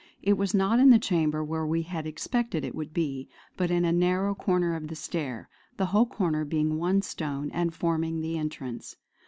It was not in the chamber where we had expected it would be, but in a narrow corner of the stair, the whole corner being one stone and forming the entrance.